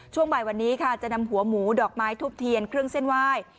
ช่วงบ่ายวันนี้ค่ะจะนำหัวหมูดอกไม้ทุบเทียนเครื่องเส้นไหว้